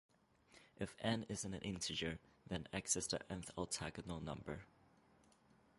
If "n" is an integer, then "x" is the "n"-th octagonal number.